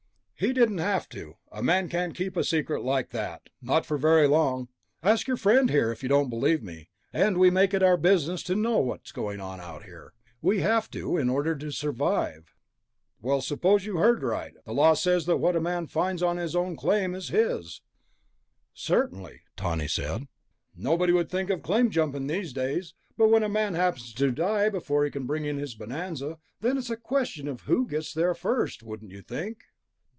"He didn't have to. A man can't keep a secret like that, not for very long. Ask your friend here, if you don't believe me. And we make it our business to know what's going on out here. We have to, in order to survive." "Well, suppose you heard right. The law says that what a man finds on his own claim is his." "Certainly," Tawney said. "Nobody would think of claim jumping, these days. But when a man happens to die before he can bring in his bonanza, then it's a question of who gets there first, wouldn't you think?"